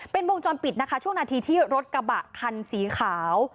เป็นวงจรปิดนะคะช่วงนาทีที่รถกระบะคันสีขาว